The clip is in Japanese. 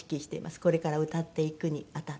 これから歌っていくにあたって。